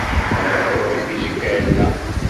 Salvatore Fisichella